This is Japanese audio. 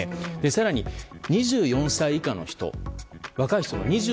更に、２４歳以下の人若い人は２２％。